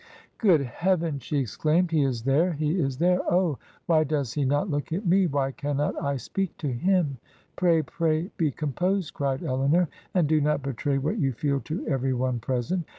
'"Good Heaven!' she exclaimed, 'he is there, he is there I Oh! why does he not look at me? Why cannot I speak to him?' 'Pray, pray, be composed,' cried Elinor, ' and do not betray what you feel to every one present.